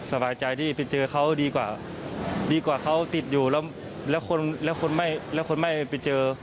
สบายใจที่ไปเจอเขาดีกว่าเดียวกว่าเขาติดอยู่แล้วคนไม่ไปเจอ